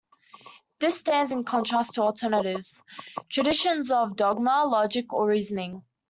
This stands in contrast to alternatives: traditions of dogma, logic or reasoning.